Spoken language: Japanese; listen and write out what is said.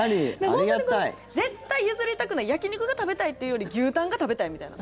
絶対譲りたくない焼き肉が食べたいというより牛タンが食べたいみたいな。